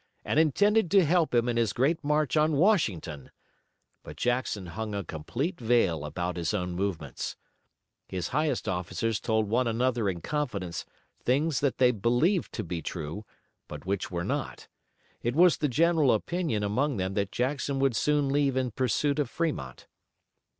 And intended to help him in his great march on Washington! But Jackson hung a complete veil about his own movements. His highest officers told one another in confidence things that they believed to be true, but which were not. It was the general opinion among them that Jackson would soon leave in pursuit of Fremont.